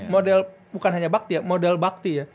model bukan hanya bakti ya model bakti ya